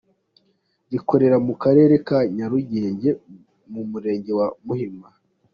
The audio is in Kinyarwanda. rikorera mu Karere ka Nyarugenge mu Murenge wa Muhima.